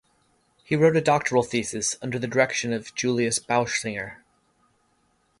He wrote a doctoral thesis under the direction of Julius Bauschinger.